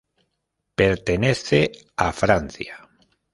Pertenece a Francia.